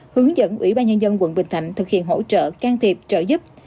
hướng dẫn ủy ban nhân dân tp hcm thực hiện hỗ trợ can thiệp trợ giúp